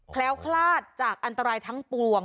แคล้วคลาดจากอันตรายทั้งปวง